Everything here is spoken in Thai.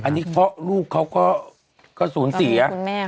อันนี้พ่อลูกเขาก็ศูนย์เสีย